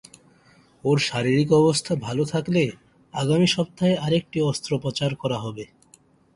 ওর শারীরিক অবস্থা ভালো থাকলে আগামী সপ্তাহে আরেকটি অস্ত্রোপচার করা হবে।